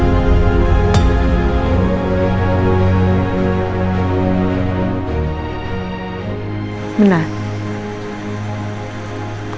asistennya mas al